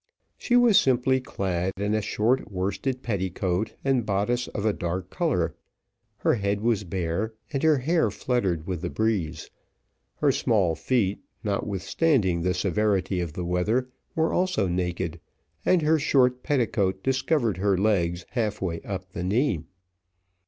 She was simply clad in a short worsted petticoat and bodice of a dark colour; her head was bare, and her hair fluttered with the breeze; her small feet, notwithstanding the severity of the weather, were also naked, and her short petticoat discovered her legs half way up to the knee.